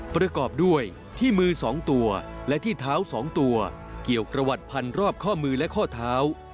ประกอบด้วยที่มือ๒ตัวและที่เท้า๒ตัวเกี่ยวประวัติพันรอบข้อมือและข้อเท้า